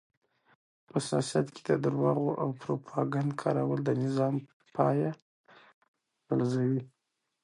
په سیاست کې د درواغو او پروپاګند کارول د نظام پایه لړزوي.